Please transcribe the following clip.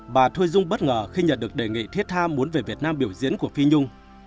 bà thuy dung bất ngờ khi nhận được đề nghị thiết tham muốn về việt nam biểu diễn của phi nhung